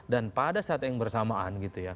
dan pada saat yang bersamaan gitu ya